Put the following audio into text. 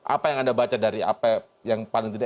apa yang anda baca dari apa yang paling tidak